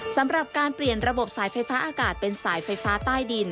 สำหรับการเปลี่ยนระบบสายไฟฟ้าอากาศเป็นสายไฟฟ้าใต้ดิน